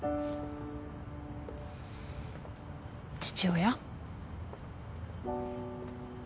父親？